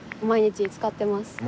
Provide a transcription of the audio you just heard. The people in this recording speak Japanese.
毎日使ってます。